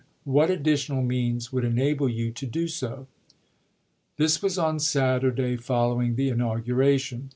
What additional means would enable you to do so ?* This was on Saturday following the inau ms. guration.